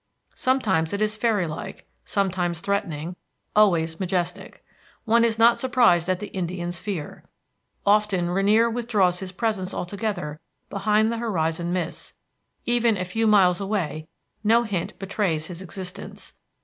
Sometimes it is fairy like, sometimes threatening, always majestic. One is not surprised at the Indian's fear. Often Rainier withdraws his presence altogether behind the horizon mists; even a few miles away no hint betrays his existence.